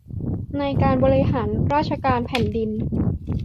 ในการบริหารราชการแผ่นดิน